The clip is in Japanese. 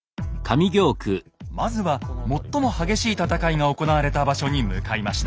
まずは最も激しい戦いが行われた場所に向かいました。